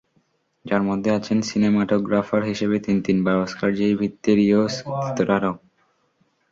যার মধ্যে আছেন সিনেমাটোগ্রাফার হিসেবে তিন তিনবার অস্কার জয়ী ভিত্তেরিও স্তোরারো।